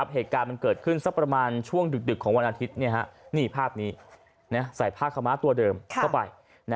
เหตุการณ์มันเกิดขึ้นสักประมาณช่วงดึกของวันอาทิตย์นี่ภาพนี้ใส่ผ้าขาวม้าตัวเดิมเข้าไป